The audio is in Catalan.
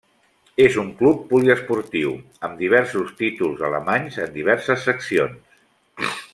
És un club poliesportiu, amb diversos títols alemanys en diverses seccions.